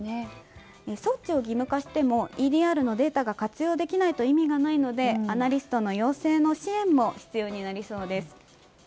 装置を義務化してもＥＤＲのデータが活用できないと意味がないのでアナリストの養成の支援も必要になりそうです。